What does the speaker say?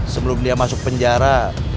sebelum dia masuk penjara